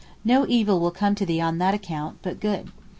no evil will come to thee on that account but good.